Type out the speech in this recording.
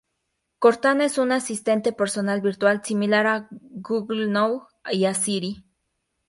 Cortana es un asistente personal virtual similar a Google Now y a Siri.